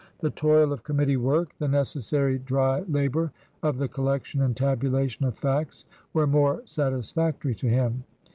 The toil of committee work, the necessary dry labour of the collection and tabulation of facts, were more satisfactory to him.